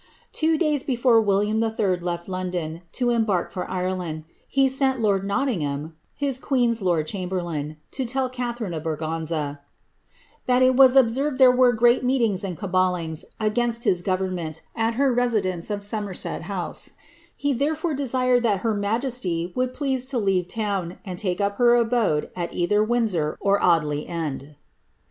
Two days before William 111. left London to embark for Ireland, bi sent lord Nottingham (his queen's lord chamberlain) to tell Catharine of Braganza, ^^ that it was observed there were great meetings and caballiogi against his government at her residence of Somerset House, he therefoit desired that her majesty would please to leave town, and take «p htf abode at either W'indsor or Audley End."